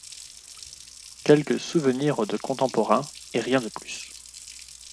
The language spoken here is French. Quelques souvenirs de contemporains, et rien de plus.